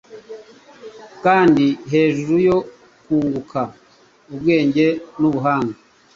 kandi hejuru yo kunguka ubwenge n’ubuhanga,